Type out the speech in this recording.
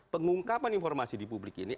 pengungkapan informasi di publik ini